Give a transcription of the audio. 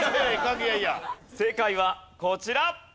正解はこちら。